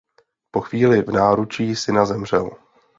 Po chvíli v náručí syna zemřel.